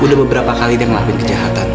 udah beberapa kali dia ngelakuin kejahatan